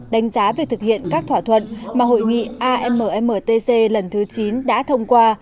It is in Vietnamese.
đánh giá việc thực hiện các thỏa thuận mà hội nghị ammtc lần thứ chín đã thông qua